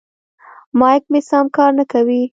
مایک مې سم کار نه کوي.